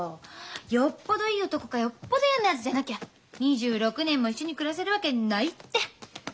よっぽどいい男かよっぽどやなやつじゃなきゃ２６年も一緒に暮らせるわけないって。